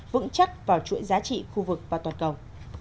vững chắc vào chuỗi giá trị khu vực và toàn cầu